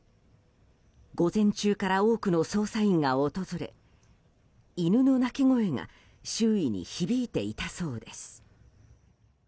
午前中から多くの捜査員が訪れ犬の鳴き声が周囲に響いていたそうです。